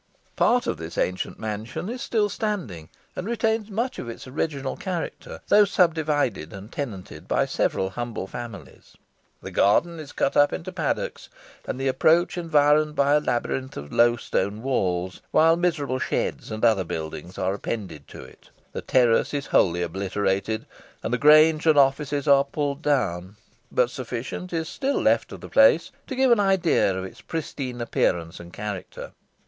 Part of this ancient mansion is still standing, and retains much of its original character, though subdivided and tenanted by several humble families. The garden is cut up into paddocks, and the approach environed by a labyrinth of low stone walls, while miserable sheds and other buildings are appended to it; the terrace is wholly obliterated; and the grange and offices are pulled down, but sufficient is still left of the place to give an idea of its pristine appearance and character.